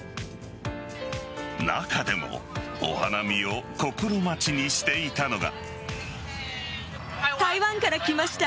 中でもお花見を心待ちにしていたのが。